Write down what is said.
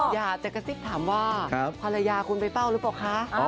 อยากจะกระซิบถามว่าภรรยาคุณไปเฝ้าหรือเปล่าคะ